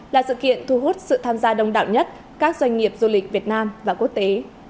là sự kiện thu hút sự tham gia đông đảo nhất các doanh nghiệp du lịch việt nam và quốc tế